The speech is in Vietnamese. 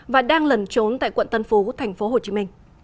và đang lẩn trốn tại quận tân phú tp hcm